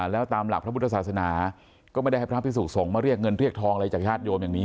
แล้วตามหลักพระพุทธศาสนาก็ไม่ได้ให้พระพิสุสงฆ์มาเรียกเงินเรียกทองอะไรจากญาติโยมอย่างนี้